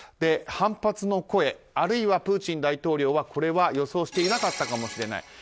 反発の声あるいはプーチン大統領はこれは予想していなかったかもしれない。